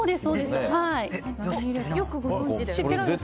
よくご存じで。